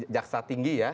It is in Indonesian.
jaksa tinggi ya